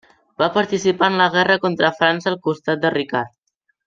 Va participar en la guerra contra França al costat de Ricard.